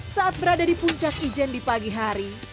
saat berada di puncak ijen di pagi hari